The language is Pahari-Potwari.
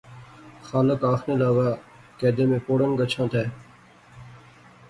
خالق آخنے لاغا کیدے میں پوڑں کچھاں تے؟